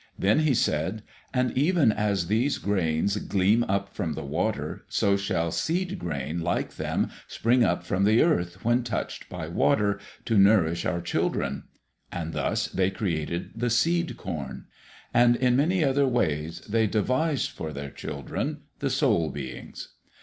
Then he said, "And even as these grains gleam up from the water, so shall seed grain like them spring up from the earth when touched by water, to nourish our children." And thus they created the seed corn. And in many other ways they devised for their children, the soul beings.